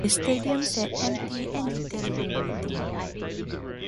The stadium sat empty and deteriorating.